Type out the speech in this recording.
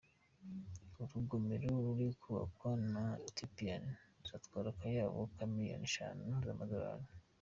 Urugomero ruri kubakwa na Ethiopia ruzatwara akayabo ka miliyari eshanu z’amadolari.